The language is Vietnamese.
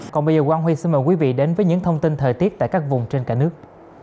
còn bây giờ quang huy xin mời quý vị đến với những thông tin thời tiết tại các vùng trên cả nước